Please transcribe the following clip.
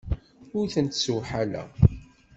Ur tent-ssewḥaleɣ.